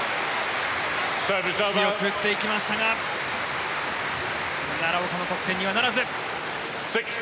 強く打っていきましたが奈良岡の得点にはならず。